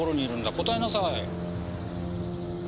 答えなさい。